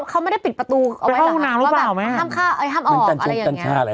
เขาไม่ได้ปิดประตูเอาไว้ห้องน้ำว่าแบบห้ามออกอะไรอย่างนี้